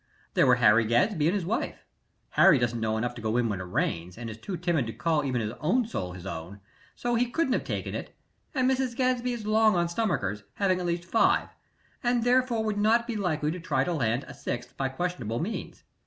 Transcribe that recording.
There were Harry Gaddsby and his wife. Harry doesn't know enough to go in when it rains, and is too timid to call even his soul his own, so he couldn't have taken it; and Mrs. Gaddsby is long on stomachers, having at least five, and therefore would not be likely to try to land a sixth by questionable means.